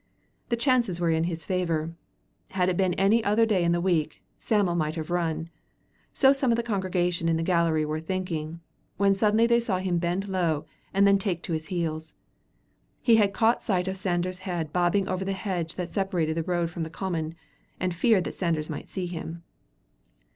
The chances were in his favor. Had it been any other day in the week, Sam'l might have run. So some of the congregation in the gallery were thinking, when suddenly they saw him bend low and then take to his heels. He had caught sight of Sanders's head bobbing over the hedge that separated the road from the common, and feared that Sanders might see him.